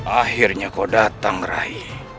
akhirnya kau datang rai